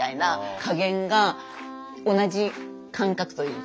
加減が同じ感覚というか。